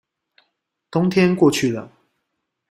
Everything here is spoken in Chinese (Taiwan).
冬天過去了